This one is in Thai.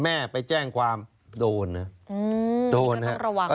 แม่ไปแจ้งความโดนนะโดนนะครับ